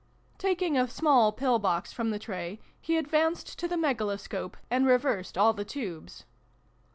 Taking a small pill box from the tray, he advanced to the Megaloscope, and reversed all the tubes.